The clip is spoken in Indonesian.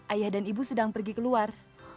ayah dan ibu sedang pergi keluar